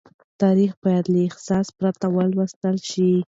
تاريخ بايد له احساس پرته ولوستل شي.